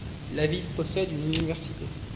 La ville possède une université.